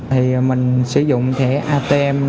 thì mình sử dụng thẻ atm